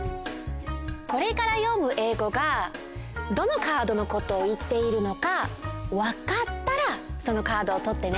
これからよむえいごがどのカードのことをいっているのかわかったらそのカードをとってね。